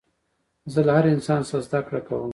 زه له هر انسان څخه زدکړه کوم.